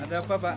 ada apa pak